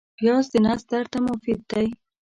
پیاز د نس درد ته مفید دی